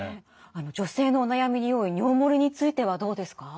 女性のお悩みに多い尿もれについてはどうですか？